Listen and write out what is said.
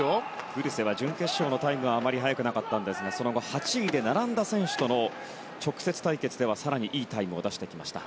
グルセは準決勝のタイムはあまり早くなかったんですがその後、８位で並んだ選手との直接対決では、更にいいタイムを出してきました。